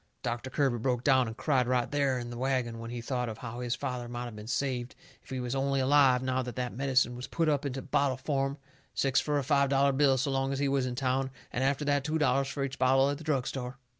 Doctor Kirby broke down and cried right there in the wagon when he thought of how his father might of been saved if he was only alive now that that medicine was put up into bottle form, six fur a five dollar bill so long as he was in town, and after that two dollars fur each bottle at the drug store.